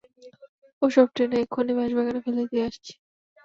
ও সব টেনে এক্ষুনি বাঁশবাগানে ফেলে দিয়ে আসচি।